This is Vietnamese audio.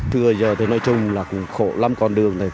thưa giờ thì nói chung là cũng khổ lắm con đường này